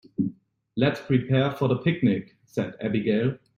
"Let's prepare for the picnic!", said Abigail.